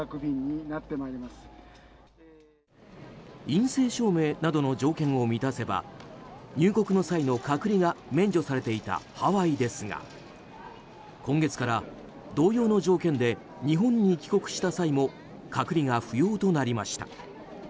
陰性証明などの条件を満たせば入国の際の隔離が免除されていたハワイですが今月から、同様の条件で日本に帰国した際も隔離が不要となりました。